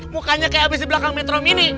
mukanya kayak abis di belakang metrum ini